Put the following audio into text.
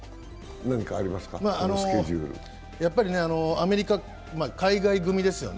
アメリカ、海外組ですよね。